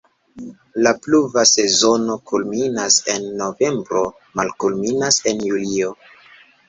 La pluva sezono kulminas en novembro, malkulminas en julio.